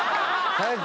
早く！